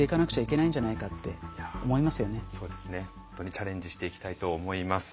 チャレンジしていきたいと思います。